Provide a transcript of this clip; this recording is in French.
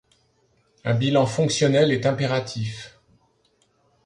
Un bilan fonctionnel est impératif.